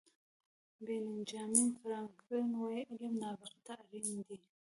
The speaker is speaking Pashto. بینجامین فرانکلن وایي علم نابغه ته اړین دی.